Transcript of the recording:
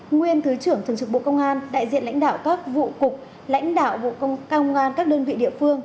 nguyên thứ trưởng thường trực bộ công an đại diện lãnh đạo các vụ cục lãnh đạo bộ công an các đơn vị địa phương